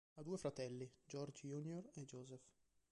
Ha due fratelli, George Jr. e Joseph.